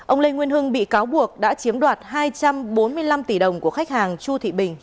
ông lê nguyên hưng bị cáo buộc đã chiếm đoạt hai trăm bốn mươi năm tỷ đồng của khách hàng chu thị bình